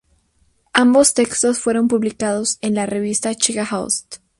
Ambos textos fueron publicados en la revista checa Host.